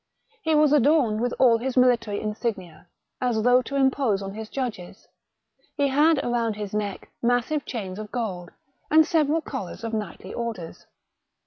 He was adorned with all his military insignia, as though to impose on his judges; he had around his neck massive chains of gold, and several collars of knightly orders.